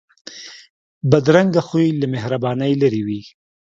بدرنګه خوی له مهربانۍ لرې وي